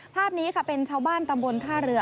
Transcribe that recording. ภาพนี้ค่ะเป็นชาวบ้านตำบลท่าเรือ